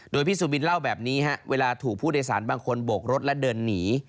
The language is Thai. โดยพี่สุบินเล่าแบบนี้ฮะเวลาถูกผู้โดยสารบางคนโบกรถและเดินหนี